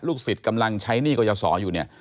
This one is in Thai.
สิทธิ์กำลังใช้หนี้กรยาศรอยู่เนี่ย